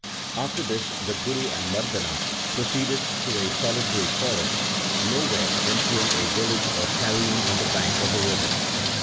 After this the Guru and Mardana proceeded to a solitary forest, nowhere entering a village or tarrying on the bank of a river.